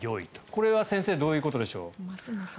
これは先生どういうことでしょう。